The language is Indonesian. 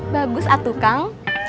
bagus atuh kang